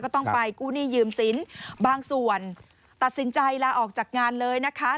ต้องไปกู้หนี้ยืมสินบางส่วนตัดสินใจลาออกจากงานเลยนะคะ